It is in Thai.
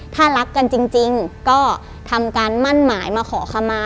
ถ้ารักกันจริงก็ทำการมั่นหมายมาขอคำมา